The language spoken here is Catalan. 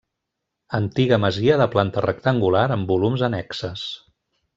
Antiga masia de planta rectangular amb volums annexes.